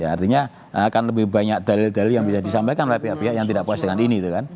artinya akan lebih banyak dalil dalil yang bisa disampaikan oleh pihak pihak yang tidak puas dengan ini